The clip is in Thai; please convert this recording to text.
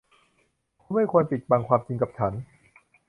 คุณไม่ควรปิดบังความจริงกับฉัน